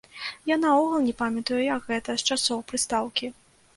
Я наогул не памятаю, як гэта, з часоў прыстаўкі.